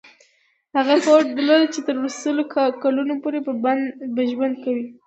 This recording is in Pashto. هغه هوډ درلود چې تر سلو کلونو پورې به ژوند کوي.